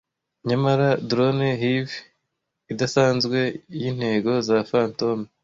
Nyamara drone-hive idasanzwe yintego za fantom!